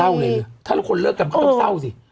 ถ้าพวกเราควรเลิฟกันมันต้องเศร้าสิ